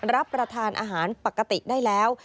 รับประทานอาหารปกติได้แล้ว